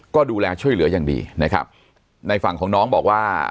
ก็ดูแลช่วยเหลืออย่างดีนะครับในฝั่งของน้องบอกว่า